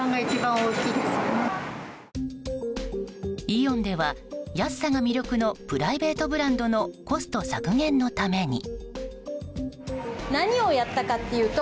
イオンでは、安さが魅力のプライベートブランドのコスト削減のために。